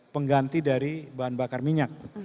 pengganti dari bahan bakar minyak